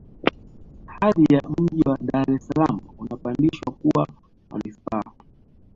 hadhi ya mji wa dar es salaam ulipandishwa kuwa manispaa